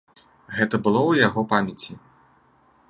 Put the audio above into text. Гэта было ў яго памяці.